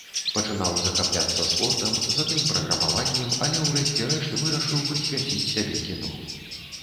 Пачынаў захапляцца спортам, затым праграмаваннем, але ўрэшце рэшт вырашыў прысвяціць сябе кіно.